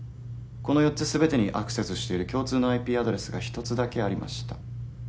この４つ全てにアクセスしている共通のＩＰアドレスが一つだけありました